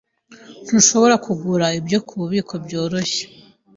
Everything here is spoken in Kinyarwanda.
Ntushobora kugura ibyo kububiko bworoshye.